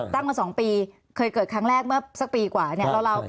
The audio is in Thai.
ตั้งมา๒ปีเคยเกิดครั้งแรกเมื่อสักปีกว่าเนี่ย